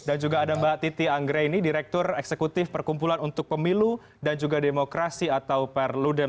dan juga ada mbak titi anggreni direktur eksekutif perkumpulan untuk pemilu dan juga demokrasi atau perludem